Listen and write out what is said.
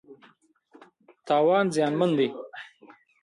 تاوان زیانمن دی.